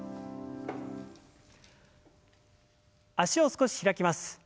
脚を少し開きます。